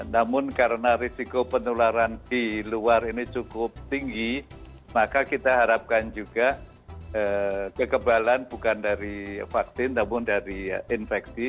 namun karena risiko penularan di luar ini cukup tinggi maka kita harapkan juga kekebalan bukan dari vaksin namun dari infeksi